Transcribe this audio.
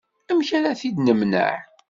Amek ara t-id-nemneɛ?